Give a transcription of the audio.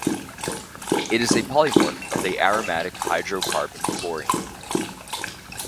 It is a polymorph of the aromatic hydrocarbon fluorene.